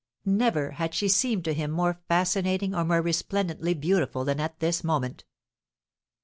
Never had she seemed to him more fascinating, or more resplendently beautiful than at this moment.